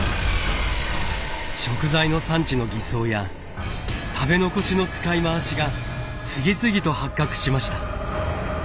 食材の産地の偽装や食べ残しの使い回しが次々と発覚しました。